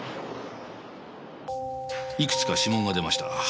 いくつか指紋が出ました。